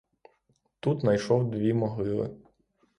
Тут найшов дві могили.